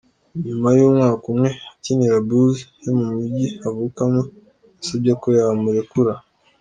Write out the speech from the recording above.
Nyuma y’umwaka umwe akinira Bulls yo mu Mujyi avukamo, yasabye ko yamurekura.